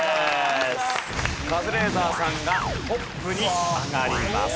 カズレーザーさんがトップに上がります。